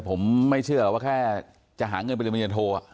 ผมไม่เชื่อหรอกว่าแค่จะหาเงินไปเรียนโท